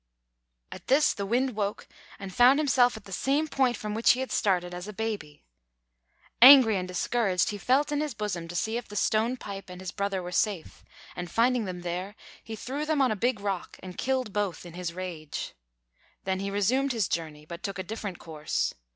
At this, the Wind woke and found himself at the same point from which he had started as a baby. Angry and discouraged, he felt in his bosom to see if the stone pipe and his brother were safe; and finding them there, he threw them on a big rock, and killed both in his rage. Then he resumed his journey, but took a different course.